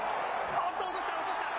おっと、落とした、落とした。